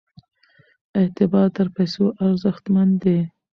اعتبار تر پیسو ارزښتمن دی.